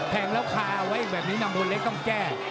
แทงแล้วคาไว้แบบนี้น้ำมือเล็กต้องแก้